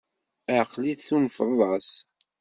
Ɛqel-it tunfeḍ-as!